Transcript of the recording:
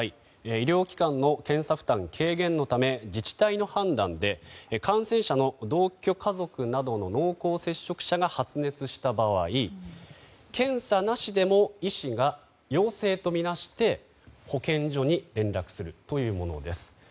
医療機関の検査負担軽減のため自治体の判断で感染者の同居家族などの濃厚接触者が発熱した場合検査なしでも医師が陽性とみなして保健所に連絡するというものです。